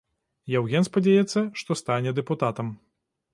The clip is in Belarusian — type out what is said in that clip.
Яўген спадзяецца, што стане дэпутатам.